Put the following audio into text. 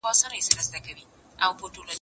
زه به سبا د ليکلو تمرين کوم..